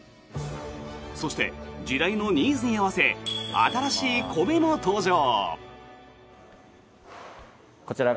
そして、時代のニーズに合わせ新しい米の登場。